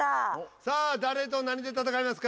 さあ誰と何で戦いますか？